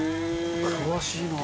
詳しいな。